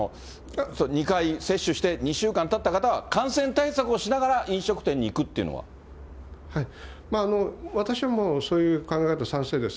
２回接種して、２週間たった方は、感染対策をしながら飲食店に行く私はもう、そういう考え方、賛成です。